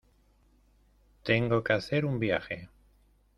tengo que hacer un viaje.